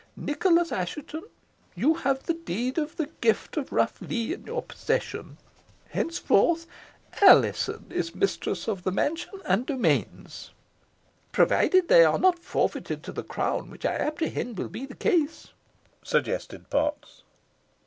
Nicholas Assheton, you have the deed of the gift of Rough Lee in your possession. Henceforth Alizon is mistress of the mansion and domains." "Provided always they are not forfeited to the crown, which I apprehend will be the case," suggested Potts.